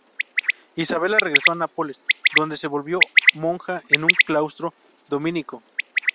Isabela regresó a Nápoles, donde se volvió monja en un claustro dominico.